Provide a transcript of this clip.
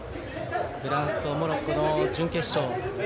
フランスとモロッコの準決勝。